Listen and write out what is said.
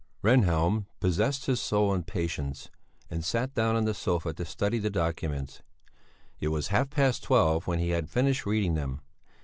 Rehnhjelm possessed his soul in patience and sat down on the sofa to study the documents. It was half past twelve when he had finished reading them.